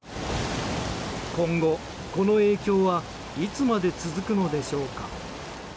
今後、この影響はいつまで続くのでしょうか。